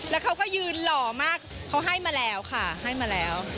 แล้วเขาก็ยืนหล่อมากเขาให้มาแล้วค่ะให้มาแล้ว